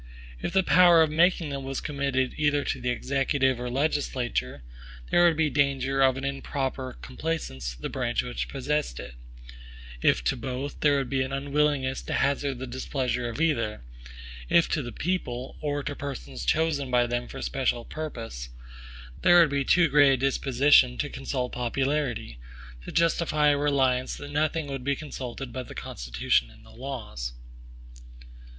If the power of making them was committed either to the Executive or legislature, there would be danger of an improper complaisance to the branch which possessed it; if to both, there would be an unwillingness to hazard the displeasure of either; if to the people, or to persons chosen by them for the special purpose, there would be too great a disposition to consult popularity, to justify a reliance that nothing would be consulted but the Constitution and the laws.